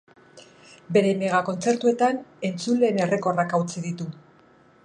Bere mega-kontzertuetan entzuleen errekorrak hautsi ditu.